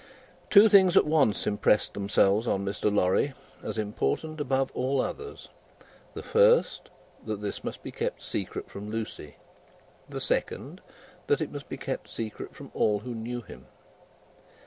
Two things at once impressed themselves on Mr. Lorry, as important above all others; the first, that this must be kept secret from Lucie; the second, that it must be kept secret from all who knew him.